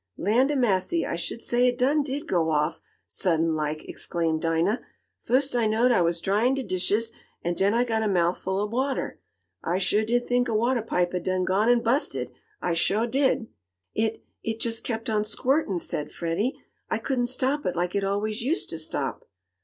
"Land ob massy! I should say it done did go off suddint laik!" exclaimed Dinah. "Fust I knowed I was dryin' de dishes an' den I got a mouth full ob watah. I shuah did t'ink a watah pipe had done gone an' busted. I shuah did!" "It it just kept on squirtin'!" said Freddie. "I couldn't stop it like it always used to stop."